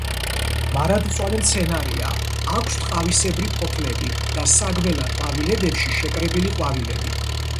მარადმწვანე მცენარეა, აქვს ტყავისებრი ფოთლები და საგველა ყვავილედებში შეკრებილი ყვავილები.